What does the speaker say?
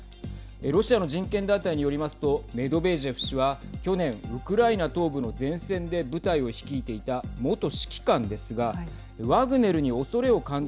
ロシアの人権団体によりますとメドベージェフ氏は去年ウクライナ東部の前線で部隊を率いていた元指揮官ですがワグネルにおそれを感じ